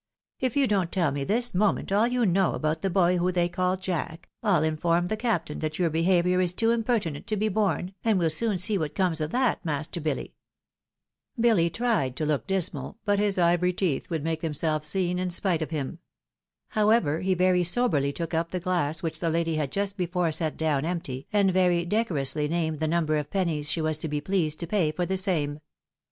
If you don't tell me this moment all you know about that boy who they call Jack, I'U inform the captain that your behaviour is too impertinent to be borne, and we'll soon see what comes of that, master BiUy." Billy tried to look dismal, but his ivory teeth would make MRS. o'donagough out of temper. 55 themselves seen in spite of him. However, he very soberly took up the glass which the lady had just before set down empty, and very decorously named the number of pennies she was to be pleased to pay for the same.